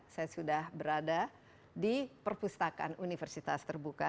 saya sudah berada di perpustakaan universitas terbuka